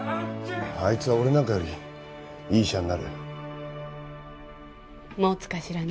アイツは俺なんかよりいい医者になる持つかしらね